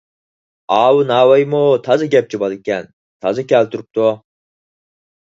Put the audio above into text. ئاۋۇ ناۋايمۇ تازا گەپچى بالىكەن، تازا كەلتۈرۈپتۇ!